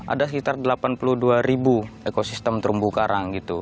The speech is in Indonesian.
ada sekitar delapan puluh dua ribu ekosistem terumbu karang gitu